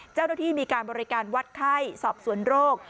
เจ้าหน้าที่มีการบริการวัดไข้สอบสวนโรค